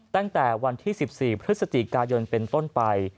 ตั้งแต่วันที่๑๔พฤศจิกายนเป็นต้นไป